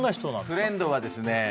フレンドはですね